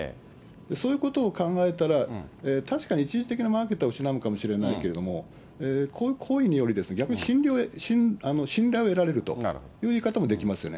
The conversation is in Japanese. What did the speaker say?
そういうことを考えたら、確かに一時的なマーケットは失うのかもしれないけれども、こういう行為により、逆に信頼を得られるという言い方もできますよね。